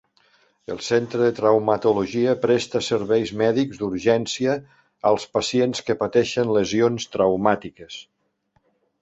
El centre de traumatologia presta serveis mèdics d'urgència als pacients que pateixen lesions traumàtiques.